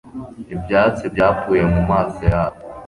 Ibyatsi byapfuye mumaso yabo